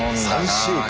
３週間。